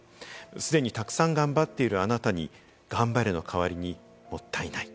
すでにたくさん頑張っているあなたに頑張れの代わりにもったいない。